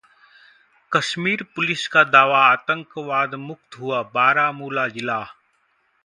Kashmir police का दावा- आतंकवाद मुक्त हुआ बारामूला जिला